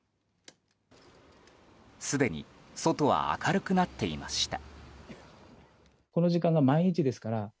すでに外は明るくなっていました。